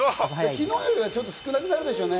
昨日よりは少し少なくなるでしょうね。